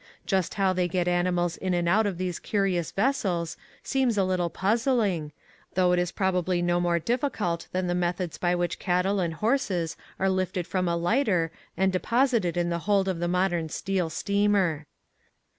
Just how they get animals in and out of these courious vessels seems a little puzzling, though it is probably no more difficult than the methods by which cattle and horses are lifted from a lighter and deposited in the hold of the modern steel steamer.